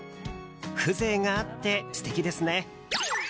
風情があって素敵ですね。